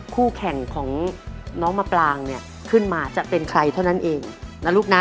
คู่แข่งของน้องมะปรางเนี่ยขึ้นมาจะเป็นใครเท่านั้นเองนะลูกนะ